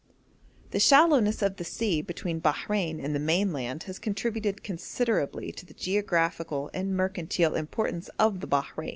The shallowness of the sea between Bahrein and the mainland has contributed considerably to the geographical and mercantile importance of the Bahrein.